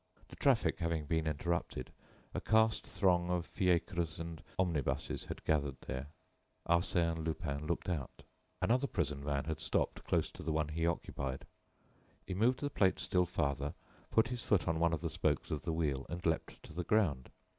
The traffic having been interrupted, a vast throng of fiacres and omnibuses had gathered there. Arsène Lupin looked out. Another prison van had stopped close to the one he occupied. He moved the plate still farther, put his foot on one of the spokes of the wheel and leaped to the ground.